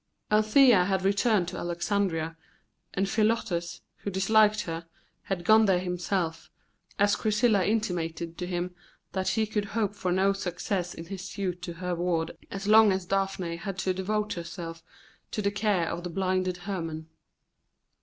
Althea had returned to Alexandria, and Philotas, who disliked her, had gone there himself, as Chrysilla intimated to him that he could hope for no success in his suit to her ward so long as Daphne had to devote herself to the care of the blinded Hermon.